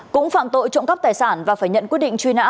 cũng phạm tội trộm cắp tài sản và phải nhận quyết định truy nã